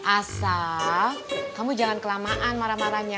asal kamu jangan kelamaan marah marahnya